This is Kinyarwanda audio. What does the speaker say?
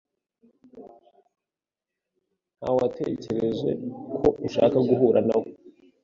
Nawetekereje ko ushaka guhura nawe .